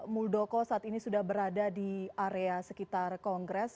muldoko saat ini sudah berada di area sekitar kongres